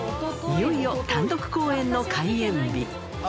いよいよ単独公演の開演日。